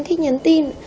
thích nhắn tin